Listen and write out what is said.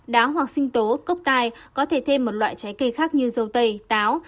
đá hoặc sinh tố cốc tai có thể thêm một loại trái cây khác như dâu tây táo